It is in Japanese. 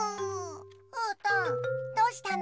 うーたんどうしたの？